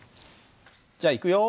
じゃあいくよ。